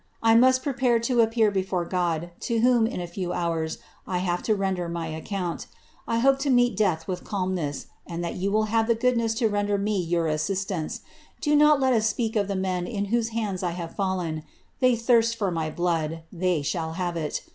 I must prepare to appear before God, to a few hours, I have to render my account. I hope to meet 1 calmness, and that you will have the goodness to render me itance. Do not let us speak of the men in whose hands I have 'hey thirst for my blood — they shall have it.